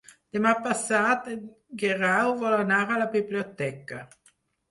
Demà passat en Guerau vol anar a la biblioteca.